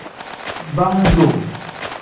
Bam-duu.